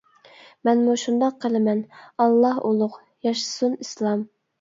مەنمۇ شۇنداق قىلىمەن ئاللا ئۇلۇغ، ياشىسۇن ئىسلام!